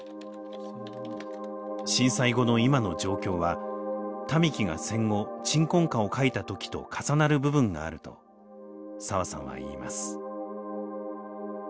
震災後の今の状況は民喜が戦後「鎮魂歌」を書いた時と重なる部分があると澤さんは言います。